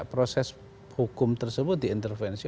proses hukum tersebut diintervensi